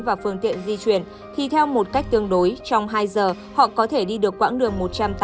và phương tiện di chuyển thì theo một cách tương đối trong hai giờ họ có thể đi được quãng đường